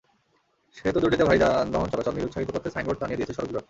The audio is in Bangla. সেতু দুটিতে ভারী যানবাহন চলাচল নিরুৎসাহিত করতে সাইনবোর্ড টানিয়ে দিয়েছে সড়ক বিভাগ।